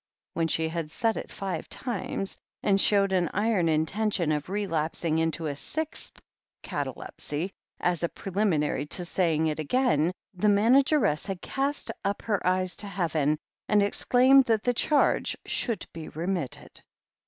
When she had said it five times, and showed an iron intention of relapsing into a sixth catalepsy, as a pre liminary to saying it again, the manageress had cast 148 THE HEEL OF ACHILLES up her eyes to heaven, and exclaimed that the charge should be remitted.